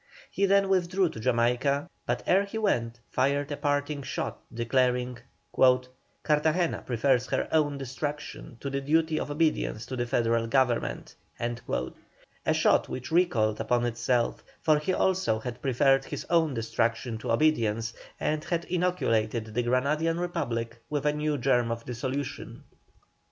He then withdrew to Jamaica, but ere he went fired a parting shot, declaring: "Cartagena prefers her own destruction to the duty of obedience to the Federal Government." A shot which recoiled upon himself, for he also had preferred his own destruction to obedience, and had inoculated the Granadian Republic with a new germ of dissolution.